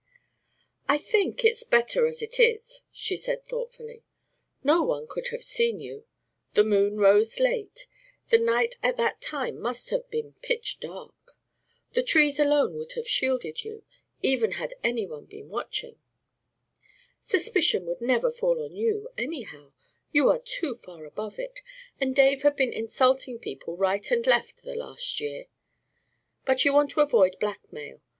"I think it's better as it is," she said thoughtfully. "No one could have seen you. The moon rose late; the night at that time must have been pitch dark. The trees alone would have shielded you, even had any one been watching. Suspicion never would fall on you anyhow; you are too far above it, and Dave had been insulting people right and left the last year. But you want to avoid blackmail.